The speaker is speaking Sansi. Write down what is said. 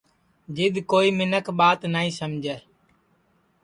جِد کوئی مینکھ ٻات نائی سمجے